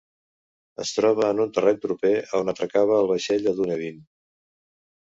Es troba en un terreny proper a on atracava el vaixell a Dunedin.